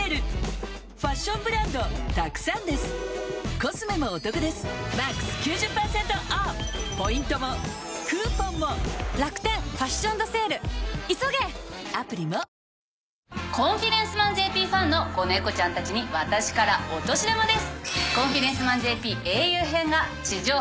『コンフィデンスマンＪＰ』ファンの子猫ちゃんたちに私から落とし玉です！